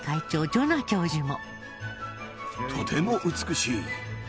ジョナ教授も。